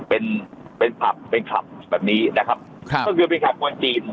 เป็นเป็นผับเป็นคลับแบบนี้นะครับครับก็คือเป็นคับคนจีน